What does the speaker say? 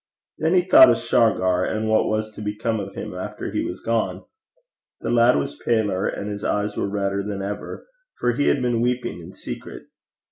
Then he thought of Shargar, and what was to become of him after he was gone. The lad was paler and his eyes were redder than ever, for he had been weeping in secret.